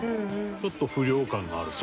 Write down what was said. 「ちょっと不良感があるとかね」